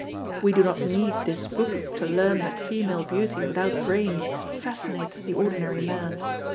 We do not need this book to learn that female beauty without brains fascinates the ordinary man.